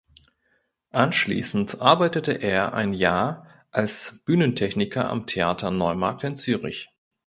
Anschließend arbeitete er ein Jahr als Bühnentechniker am Theater Neumarkt in Zürich.